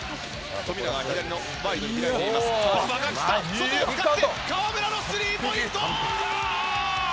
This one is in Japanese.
外を使って河村のスリーポイント！